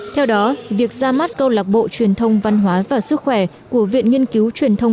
theo đó việc ra mắt câu lạc bộ truyền thông văn hóa và sức khỏe của viện nghiên cứu truyền thông